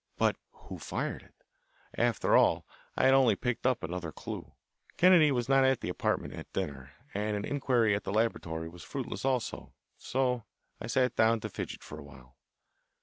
But who fired it? After all, I had only picked up another clue. Kennedy was not at the apartment at dinner, and an inquiry at the laboratory was fruitless also. So I sat down to fidget for a while.